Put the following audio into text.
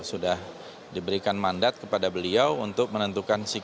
sudah diberikan mandat kepada beliau untuk menentukan sikap